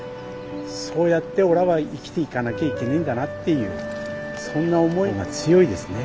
そうやっておらは生きていかなきゃいけねえんだなっていうそんな思いが強いですね。